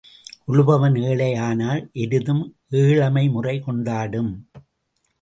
உழுபவன் ஏழை ஆனால் எருதும் ஏழைமை முறை கொண்டாடும்.